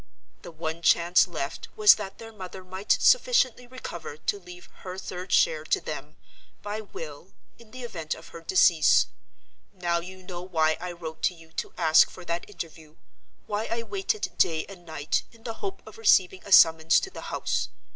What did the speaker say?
The one chance left was that their mother might sufficiently recover to leave her third share to them, by will, in the event of her decease. Now you know why I wrote to you to ask for that interview—why I waited day and night, in the hope of receiving a summons to the house.